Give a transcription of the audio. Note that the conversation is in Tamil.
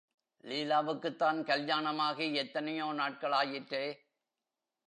லீலாவுக்குத்தான் கல்யாணமாகி எத்தனையோ நாட்களாயிற்றே.